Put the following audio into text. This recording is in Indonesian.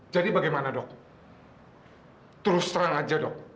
jadi bagaimana dok terus terang aja dok